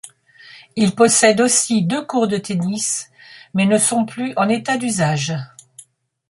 Il possède aussi deux courts de tennis mais ne sont plus en état d'usage.